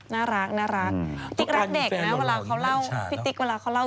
น่ารัก